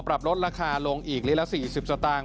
ปรับลดราคาลงอีกลิตรละ๔๐สตางค